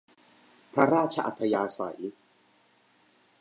พระราชอัธยาศัย